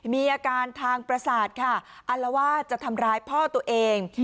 มีอาการทางประสาทค่ะอัลว่าจะทำร้ายพ่อตัวเอง